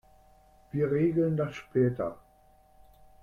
Wir regeln das später.